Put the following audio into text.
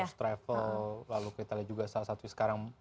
first travel lalu kita lihat juga salah satu sekarang